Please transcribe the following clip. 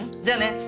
じゃあね。